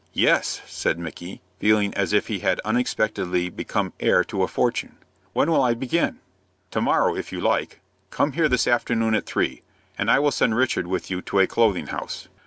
"Yes," said Micky, feeling as if he had unexpectedly become heir to a fortune. "When will I begin?" "To morrow if you like. Come here this afternoon at three, and I will send Richard with you to a clothing house."